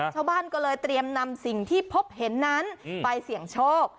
ชาวบ้านก็เลยเตรียมนำสิ่งที่พบเห็นนั้นไปเสี่ยงโชค